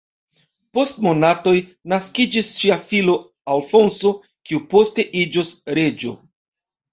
Post monatoj naskiĝis ŝia filo Alfonso, kiu poste iĝos reĝo.